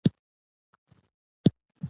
له همدې کورنۍ سره وي.